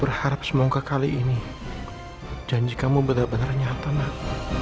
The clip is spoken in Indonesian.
berharap semoga kali ini janji kamu benar benar nyata nak